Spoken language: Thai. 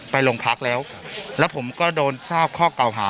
ไปโรงพักแล้วแล้วผมก็โดนทราบข้อเก่าหา